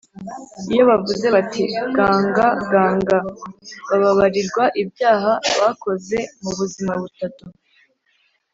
iyo bavuze bati ‘ganga, ganga’ bababarirwa ibyaha bakoze mu buzima butatu